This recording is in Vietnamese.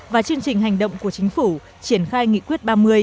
và chương trình hành động của chính phủ triển khai nghị quyết ba mươi